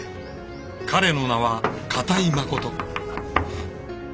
彼の名は片居誠。